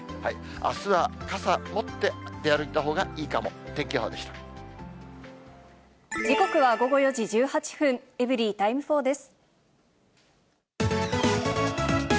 あすは傘持って出歩いたほうがい時刻は午後４時１８分、エブリィタイム４です。